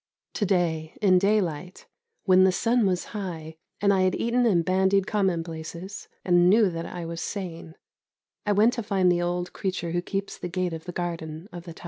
To day, in daylight, when the sun was high, and I had eaten and bandied commonplaces, and knew that I was sane, I went to find the old creature who keeps the gate of the garden of the Tâj.